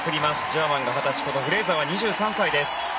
ジャーマンが２０歳フレーザーは２３歳です。